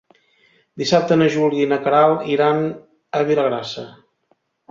Dissabte na Júlia i na Queralt iran a Vilagrassa.